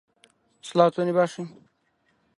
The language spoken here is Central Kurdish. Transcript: نە مەنعم کەن لە نووەو ون بووی ئاورم تێ بەر بوو